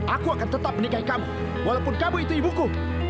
aku akan tetap menikahi kamu walaupun kamu itu ibuku